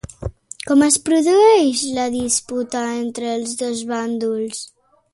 Com es produeix la disputa entre els dos bàndols?